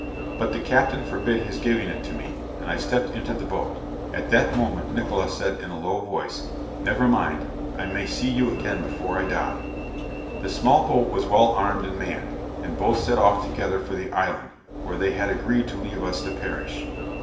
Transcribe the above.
But the captain forbid his giving it to me, and I stepped into the boat at that moment Nickola said in a low voice, "never mind, I may see you again before I die." The small boat was well armed and manned, and both set off together for the island, where they had agreed to leave us to perish!